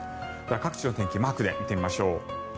各地の天気マークで見てみましょう。